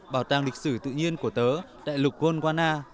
bảo tàng lịch sử tự nhiên của tớ đại lục golana